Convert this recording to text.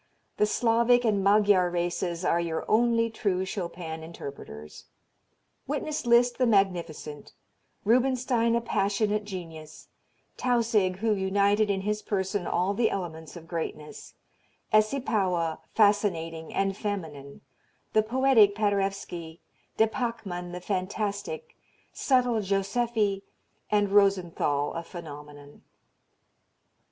The Slavic and Magyar races are your only true Chopin interpreters. Witness Liszt the magnificent, Rubinstein a passionate genius, Tausig who united in his person all the elements of greatness, Essipowa fascinating and feminine, the poetic Paderewski, de Pachmann the fantastic, subtle Joseffy, and Rosenthal a phenomenon.